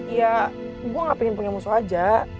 ya gue gak pengen punya musuh aja